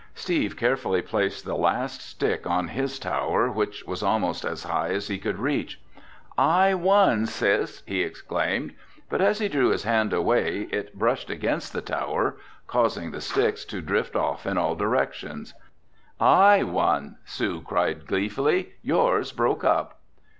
Steve carefully placed the last stick on his tower which was almost as high as he could reach. "I won, Sis!" he exclaimed. But as he drew his hand away, it brushed against the tower, causing the sticks to drift off in all directions. "I won!" Sue cried gleefully, "Yours broke up!"